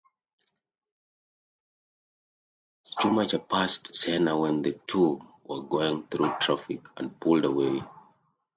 Schumacher passed Senna when the two were going through traffic and pulled away.